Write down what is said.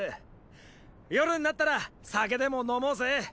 夜になったら酒でも飲もーぜ。